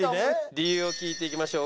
理由を聞いていきましょう。